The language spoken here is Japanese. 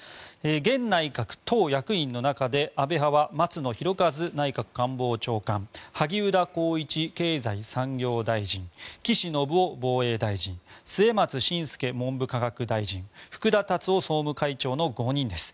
現内閣党役員の中で安倍派は松野博一内閣官房長官萩生田光一経済産業大臣岸信夫防衛大臣末松信介文部科学大臣福田達夫総務会長の５人です。